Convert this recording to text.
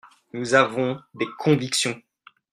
Nous avons des convictions.